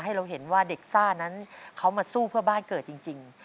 ให้เราเห็นว่าเด็กซ่านั้นเขามาสู้เพื่อบ้านเกิดจริง